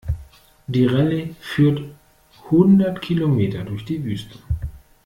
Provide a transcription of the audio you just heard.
Die Rallye führt hundert Kilometer durch die Wüste.